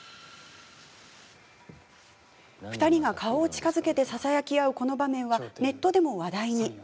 ２人が顔を近づけてささやき合うこの場面はネットでも話題に。